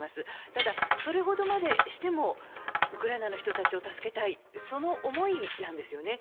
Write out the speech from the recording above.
ただ、それほどまでしてもウクライナの人たちを助けたいその思いなんですよね。